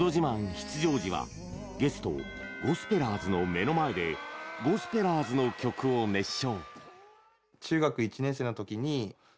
出場時はゲスト・ゴスペラーズの目の前でゴスペラーズの曲を熱唱。